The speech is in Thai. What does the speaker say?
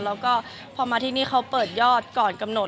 แล้วก็พอมาที่นี่เขาเปิดยอดก่อนกำหนด